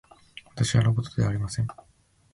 私はロボットではありません。